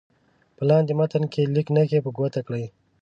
په لاندې متن کې لیک نښې په ګوته کړئ.